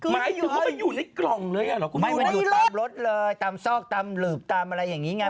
ไม่์มันอยู่ตามรถเลยตามซอกตามหลืบตามอะไรอย่างนี้ไง